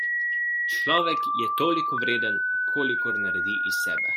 Človek je toliko vreden, kolikor naredi iz sebe.